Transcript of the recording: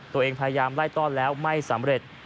ตัวเองพยายามไล่ต้อนแล้วไม่สำเร็จ